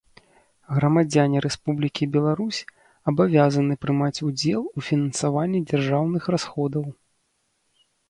Грамадзяне Рэспублікі Беларусь абавязаны прымаць удзел у фінансаванні дзяржаўных расходаў.